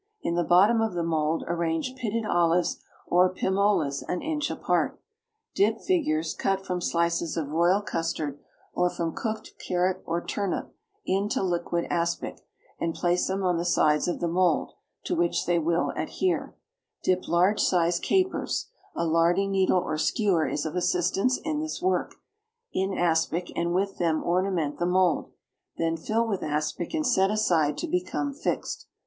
In the bottom of the mould arrange pitted olives or pim olas an inch apart. Dip figures, cut from slices of royal custard, or from cooked carrot or turnip, into liquid aspic, and place them on the sides of the mould, to which they will adhere; dip large sized capers (a larding needle or skewer is of assistance in this work) in aspic and with them ornament the mould; then fill with aspic and set aside to become fixed.